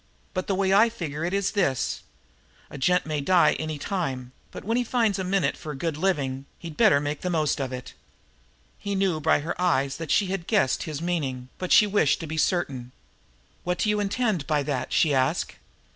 But the way I figure it is this: a gent may die any time, but, when he finds a minute for good living, he'd better make the most of it." He knew by her eyes that she half guessed his meaning, but she wished to be certain. "What do you intend by that?" she asked.